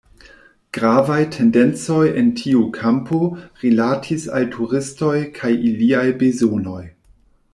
Gravaj tendencoj en tiu kampo rilatis al turistoj kaj iliaj bezonoj.